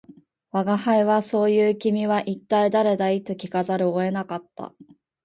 吾輩は「そう云う君は一体誰だい」と聞かざるを得なかった